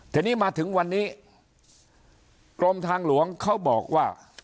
ทีนี้มาถึงวันนี้กรมทางหลวงเขาบอกว่า